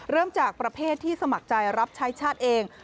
เริ่มจากประเภทที่สมัครใจรับใช้ชาติเอง